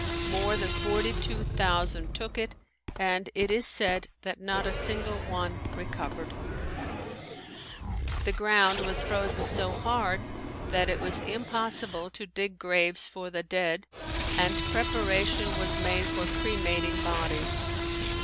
More than forty two thousand took it and it is said that not a single one recovered. The ground was frozen so hard that it was impossible to dig graves for the dead and preparation was made for cremating bodies.